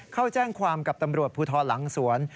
เข้าแจ้งความกับตำรวจภูทรหลังสวน